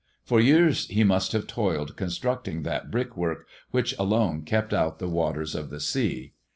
For years ha must have toiled constructing that brickwork which alone kept out the waters of the sea.